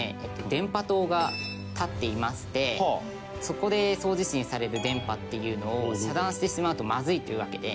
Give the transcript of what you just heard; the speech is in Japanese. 電波塔が立っていましてそこで送受信される電波っていうのを遮断してしまうとまずいっていうわけで。